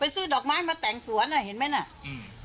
ซื้อดอกไม้มาแต่งสวนอ่ะเห็นไหมน่ะอืม